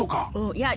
いや。